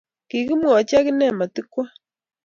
Kokimwoch akine matikwo